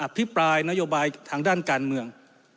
พิปรายนโยบายทางด้านการเมือง